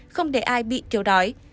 không để ai bị thiếu đói